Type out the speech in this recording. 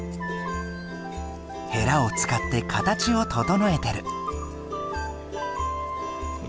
へらを使って形を整えてる。